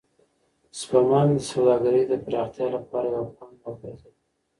سپما مې د سوداګرۍ د پراختیا لپاره یوه پانګه وګرځوله.